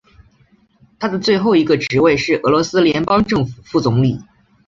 他的最后一个职位是俄罗斯联邦政府副总理。